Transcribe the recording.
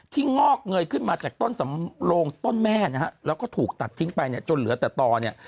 ที่งอกเงยขึ้นมาจากต้นสำโรงต้นแม่แล้วก็ถูกตัดทิ้งไปจนเหลือแต่ตอนนี้